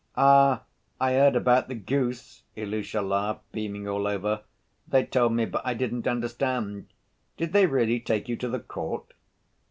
"Ah! I heard about the goose!" Ilusha laughed, beaming all over. "They told me, but I didn't understand. Did they really take you to the court?"